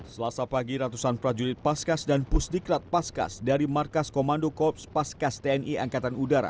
selasa pagi ratusan prajurit paskas dan pusdiklat paskas dari markas komando kops paskas tni angkatan udara